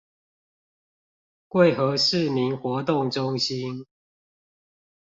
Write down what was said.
貴和市民活動中心